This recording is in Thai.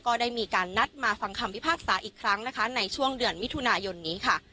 ก็ได้มีการนัดมาฟังคำพิพากษาอีกครั้งนะคะในช่วงเดือนมิถุนายนนี้ค่ะ